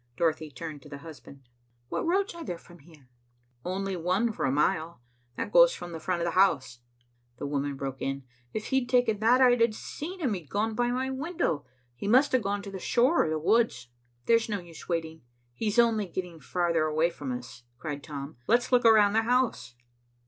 Dorothy turned to the husband. "What roads are there from here?" "Only one for a mile. That goes from the front of the house." The woman broke in. "If he'd taken that, I'd have seen him. He'd have gone by my window. He must have gone to the shore or the woods." "There's no use waiting. He's only getting farther away from us," cried Tom. "Let's look around the house."